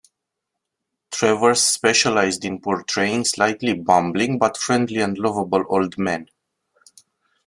Travers specialized in portraying slightly bumbling but friendly and lovable old men.